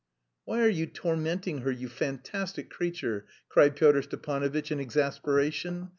"Why are you tormenting her, you fantastic creature?" cried Pyotr Stepanovitch in exasperation.